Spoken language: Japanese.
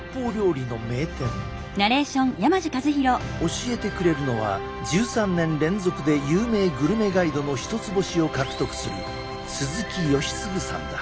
教えてくれるのは１３年連続で有名グルメガイドの一つ星を獲得する鈴木好次さんだ。